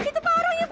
itu pa orangnya pa